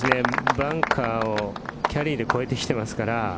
バンカーをキャリーで超えてきてますから。